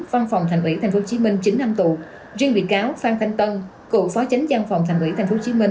văn phòng thành ủy tp hcm chín năm tù riêng bị cáo phan thanh tân cựu phó chánh giang phòng thành ủy tp hcm